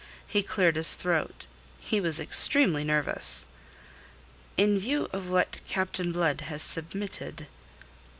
He cleared his throat. He was extremely nervous. "In view of what Captain Blood has submitted...."